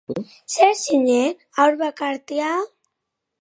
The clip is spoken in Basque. Zer zinen, haur bakartia?